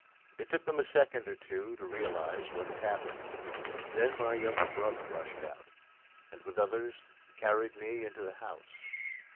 It took them a second or two to realize what had happened. Then my younger brother rushed out, and with others carried me into the house.